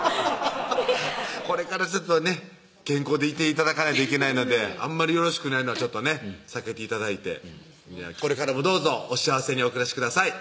これから健康でいて頂かないといけないのであんまりよろしくないのはちょっとね避けて頂いてこれからもどうぞお幸せにお暮らしください